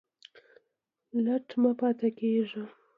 لټ مه پاته کیږئ